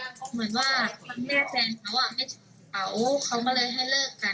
เราก็คุยมาคุยมาเขาออกงั้นเอาอย่างนี้ได้ไหมพี่